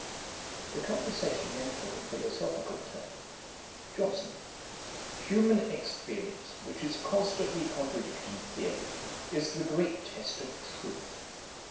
The conversation then took a philosophical turn. JOHNSON. 'Human experience, which is constantly contradicting theory, is the great test of truth.